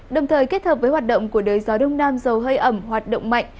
đồng thời kết hợp với hoạt động của đới gió đông nam dầu hơi ẩm hoạt động mạnh